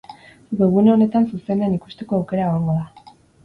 Webgune honetan zuzenean ikusteko aukera egongo da.